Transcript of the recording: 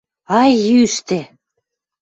Ый, ӱштӹ!